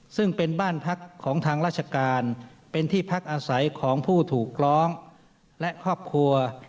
ซึ่งเป็นบ้านพักของทางราชการเป็นที่พักอาศัยของผู้ถูกร้องและครอบครัว